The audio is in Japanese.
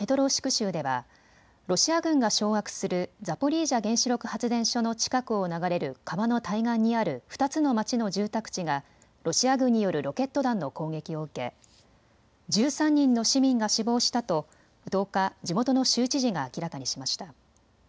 州ではロシア軍が掌握するザポリージャ原子力発電所の近くを流れる川の対岸にある２つの町の住宅地がロシア軍によるロケット弾の攻撃を受け１３人の市民が死亡したと１０日、地元の州知事が明らかにしました。